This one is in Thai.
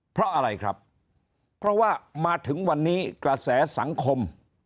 เพราะอะไรครับเพราะว่ามาถึงวันนี้กระแสสังคม